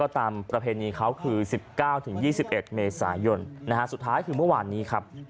ตามประเพย์นี้เขาคือ๑๙๒๑เมษายลสุดท้ายฯคือเมื่อวานนี้